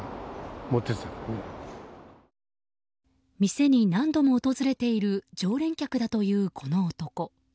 店に何度も訪れている常連客だというこの男。